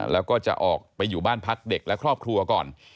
แล้วก็จะออกไปอยู่บ้านพักเด็กและครอบครัวก่อน